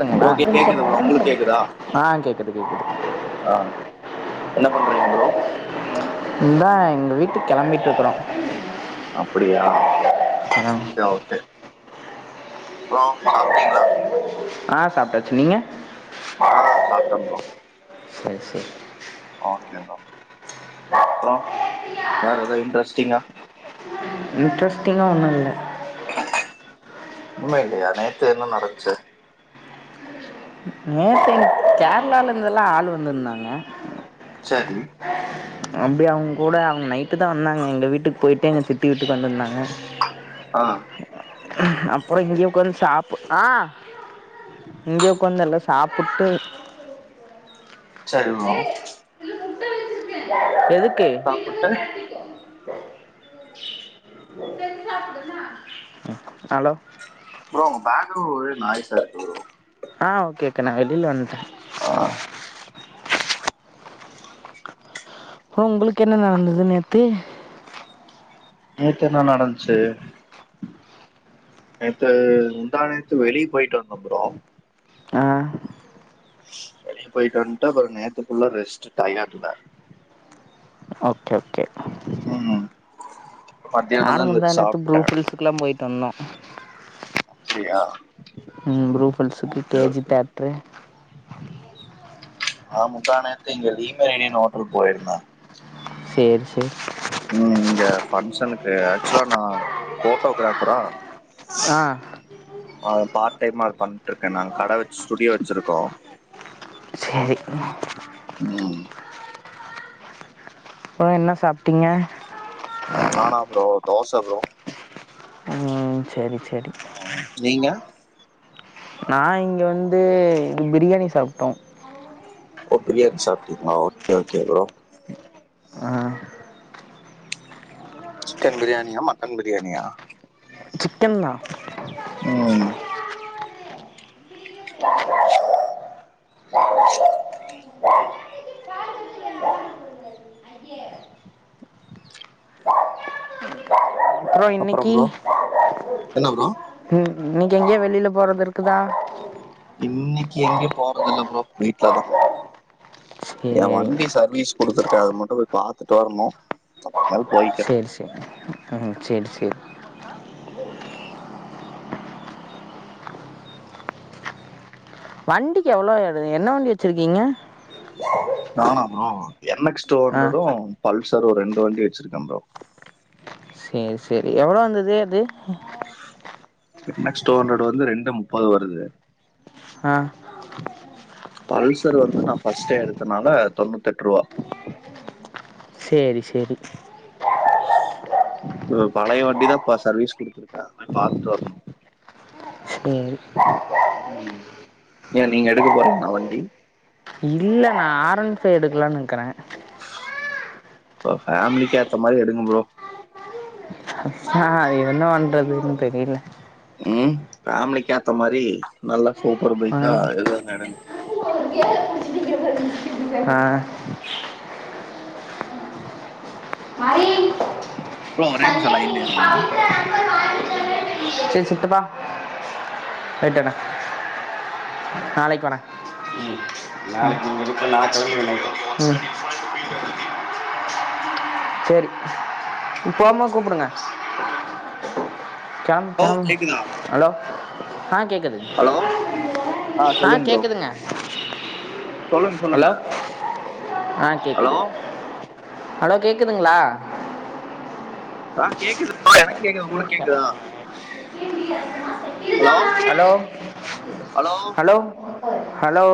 கேக்குதுங்களா ஓகே கேக்குது ப்ரோ உங்களுக்கு கேக்குதா ஆ கேக்குது கேக்குது ஆ என்ன பண்றீங்க ப்ரோ இந்தா எங்க வீட்டு கெளம்பிட்டு இருக்குறோ அப்டியா ஓகே ஓகே அப்பறோ சாப்ட்டீங்களா ஆ சாப்ட்டாச்சு நீங்க ஆ சாப்ட்ட ப்ரோ செரி செரி ஓகோ ப்ரோ அப்றோ வேற எதுவு இன்ட்ரெஸ்டிங்கா இன்ட்ரெஸ்டிங்காக ஒன்னு இல்ல ஒன்னுமே இல்லயா நேத்து என்ன நடந்துச்சு நேத்து என்ன கேரளாலேருந்து எல்லா ஆள் வந்துருந்தாங்க சரி அப்டி அவுங்கூட அவுங்க நைட்டு தா வந்தாங்க எங்க வீட்டுக்கு போயிட்டு எங்க சித்தி வீட்டுக்கு வந்திருந்தாங்க ஆ அப்பறோ இங்கேய உக்காந்து சாப்பு ஆ இங்கேயே உக்காந்து எல்லா சாப்புட்டு சரி ப்ரோ எதுக்கு புட்டு ஹலோ ப்ரோ உங்க பேக்ரவுண்ட் ஒரே நாய்ஸ்சா இருக்கு ப்ரோ ஆ ஓகே கே நா வெளில வந்டே ஆ ஓ உங்களுக்கு என்ன நடந்தது நேத்து நேத்து என்ன நடந்ச்சு நேத்து முந்தா நேத்து வெளியே போயிட்டு வந்தோம் ப்ரோ ஆ வெளியே போயிட்டு வந்ட்டு அப்பறம் நேத்து ஃபுல்லா ரெஸ்டு டயட்ல ஓகே ஓகே ம் மத்தியானந்தா எந்திரிச்சு சாப்ட்ட இதுக்லாம் போயிட்டு வந்தோ அப்டியா ம் ப்ரூஃபுல்ஸுக்கு கே ஜி தேட்ரு ஆ முந்தா நேத்து இங்க லீ மெரிடியன் ஹோட்டல் போயிருந்த சேரி சேரி ம் இங்க ஃபங்க்ஷனுக்கு ஆக்சுலா நா ஃபோட்டோகிராஃபரா ஆ ஆ த பார்ட் டைமா அது பண்ட்டு இருக்கே நாங்க கட வச் ஸ்டுடியோ வச்சிருக்கோ செரி ம் பா என்ன சாப்ட்டீங்க நானா ப்ரோ தோச ப்ரோ ம் செரி செரி ம் நீங்க நா இங்க வந்து பிரியாணி சாப்ட்டோ ஒ பிரியாணி சாப்ட்டீங்ளா ஓகே ஓகே ப்ரோ ஆ சிக்கன் பிரியாணியா மட்டன் பிரியாணியா சிக்கன் தா ம் அப்றோ அப்புறம் இன்னைக்கி ப்ரோ என்ன ப்ரோ ம் இன்னைக்கி எங்கயோ வெளில போறது இருக்குதா இன்னைக்கி எங்கயு போறதுல்ல ப்ரோ வீட்லதா என் சரி வண்டி சர்வீஸ் குடுத்துருக்கே அது மட்டு போய் பாத்துட்டு வரணு அப்பறமேல் போய் சேரி சேரி ம் ஹும் சேரி சேரி வண்டிக்கி எவ்ளோ என்ன வண்டி வச்சிருக்கீங்க நானா ப்ரோ என் எக்ஸ் டூ ஹண்டரடூ பல்சரு ரெண்டு வண்டி வச்சிருக்கே ப்ரோ ஏ செரி எவ்ளோ வந்துது அது என்ன க்ஸ் டூஹண்ரட் வந்து ரெண்டு முப்பது வருது ஆ பல்சர் வந்து நா ஃபஸ்ட்டே எடுத்தனால தொண்ணூத் எட்டு ரூவா சேரி சேரி ம் பழய வண்டி தா பா சர்வீஸ் குடுத்துருக்கே போய் பாத்துட்டு வரணு ம் ம் ஏன் நீங்க எடுக்க போறீங்களா வண்டி இல்ல நா ஆரன்ஃபை எடுக்கலானு இருக்கிறே உங்க ஃபேமிலிக்கு ஏத்த மாரி எடுங்க ப்ரோ ஹா என்ன பண்றதுனு தெரியல ம் ஃபேமிலிக்கு ஏத்த மாரி நல்லா சூப்பர் பைக்கா எடுங்க எடுங்க ஆ மாறி ப்ரோ ஒரே நிம்ஷோ லைன்லயே இருங்க சரி சித்துப்பா வெட்டுன நாளைக்கு போனே உம் நாளைக்குங்க இருப்ப நா கிழட்டோம் சரி இப்பமா கூப்பிடுங்க ஓ கேக்குதா ஆ கேட்குது ஆ சொல்லுங் ப்ரோ சொல்லுங்க சொல்லுங்க ஆ ஹலோ கேக்குது ஹலோ கேக்குதுங்களா ஆ கேக்குது எனக்கு கேக்குது உங்களுக்கு கேக்குதா ஹலோ ஹலோ ஹலோ ஹலோ